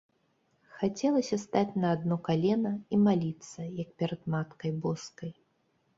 Хацелася стаць на адно калена і маліцца, як перад маткай боскай.